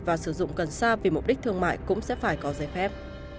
và sử dụng cần xa vì mục đích thương mại cũng sẽ phải có giấy phép